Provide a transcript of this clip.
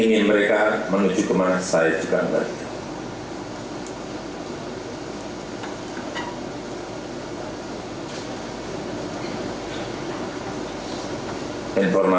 ingin mereka menuju kemana saya juga enggak